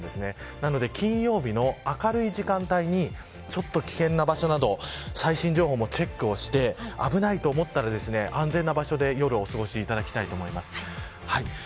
なので金曜日の明るい時間帯にちょっと危険な場所など最新情報もチェックをして危ないと思ったら安全な場所で夜をお過ごしください。